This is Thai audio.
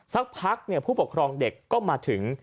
สักพักผู้ปกครองเด็กก็มาถึง